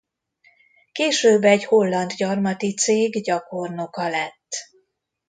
Később egy holland gyarmati cég gyakornoka lett.